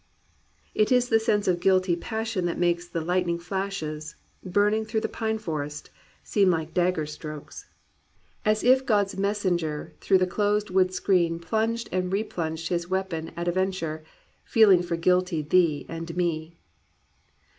'* It is the sense of guilty passion that makes the lightning flashes, burning through the pine forest, seem like dagger strokes, — COMPANIONABLE BOOKS As if God's messenger through the closed wood screen Plunged and re plunged his weapon at a venture, Feeling for guilty thee and me."